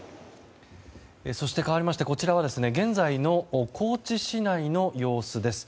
そして、かわりましてこちらは現在の高知市内の様子です。